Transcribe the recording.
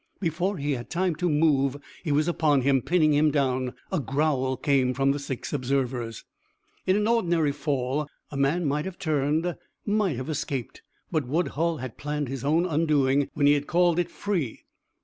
Before he had time to move he was upon him, pinning him down. A growl came from six observers. In an ordinary fall a man might have turned, might have escaped. But Woodhull had planned his own undoing when he had called it free.